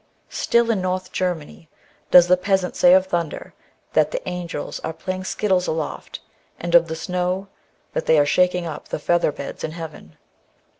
Still in North Germany does the peasant say of thunder, that the angels are playing skittles aloft, and of the snow, that they are shaking up the feather beds in heaven.